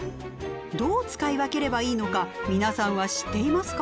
どう使い分ければいいのか皆さんは知っていますか？